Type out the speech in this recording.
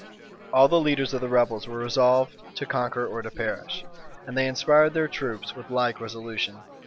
All the leaders of the rebels were resolved to conquer or to perish; and they inspired their troops with like resolution.